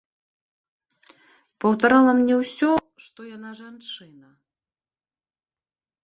Паўтарала мне ўсё, што яна жанчына.